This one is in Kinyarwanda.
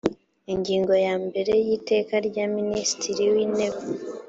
ingingo ya mbere y iteka rya minisitiri w intebe